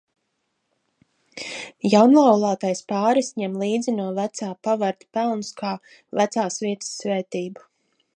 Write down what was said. Jaunlaulātais pāris ņem līdzi no vecā pavarda pelnus kā vecās vietas svētību.